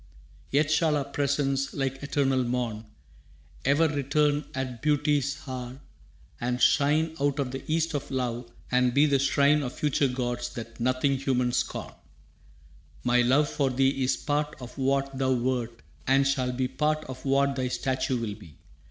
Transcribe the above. Yet shall our presence, like eternal morn, Ever return at Beauty's hour, and shine Out of the East of Love, and be the shrine Of future gods that nothing human scorn. «My love for thee is part of what thou wert And shall be part of what thy statue will be.